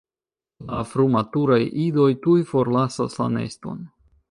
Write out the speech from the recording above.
La frumaturaj idoj tuj forlasas la neston.